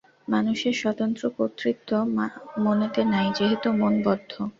মানুষের স্বতন্ত্র কর্তৃত্ব মনেতে নাই, যেহেতু মন বদ্ধ।